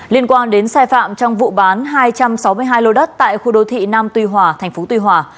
liên quan đến sai phạm trong vụ bán hai trăm sáu mươi hai lô đất tại khu đô thị nam tuy hòa tp tuy hòa